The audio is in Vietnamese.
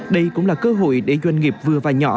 đây cũng là cơ hội để doanh nghiệp vừa và nhỏ